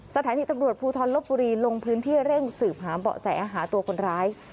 สถานีตำรวจภูทรลบบุรีลงพื้นที่เร่งสืบหาเบาะแสหาตัวคนร้าย